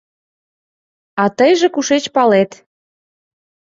— А тыйже кушеч палет?